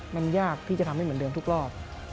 มันยากที่จะทำให้เหมือนเดิมทุกรอบ